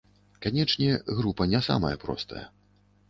Канечне, група не самая простая.